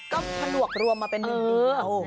ก็ถ้ารวบรวมมาเป็นหนึ่งดีแล้ว